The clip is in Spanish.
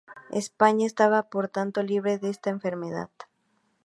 España estaba por tanto libre de esta enfermedad.